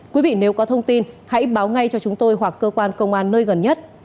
quý vị nếu có thông tin hãy báo ngay cho chúng tôi hoặc cơ quan công an nơi gần nhất